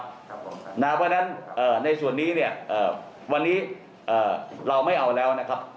เพราะฉะนั้นในส่วนนี้เนี่ยวันนี้เราไม่เอาแล้วนะครับ